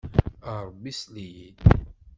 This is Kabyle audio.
A Ṛebbi, sel-iyi-d!